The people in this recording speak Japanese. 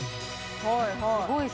「はいはい」